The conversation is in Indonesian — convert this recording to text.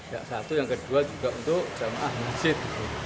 yang satu yang kedua juga untuk jamaah masjid